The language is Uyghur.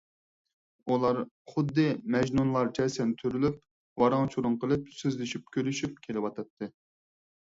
ئۇلار خۇددى مەجنۇنلارچە سەنتۈرۈلۈپ، ۋاراڭ - چۇرۇڭ قىلىپ سۆزلىشىپ - كۈلۈشۈپ كېلىۋاتاتتى.